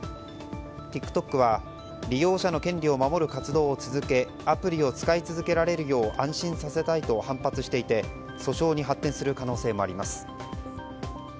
ＴｉｋＴｏｋは利用者の権利を守る活動を続けアプリを使い続けられるよう安心させたいと反発していて、訴訟に発展する可能性もあります。